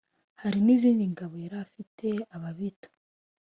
hari n'izindi ngabo yari afite: ababito,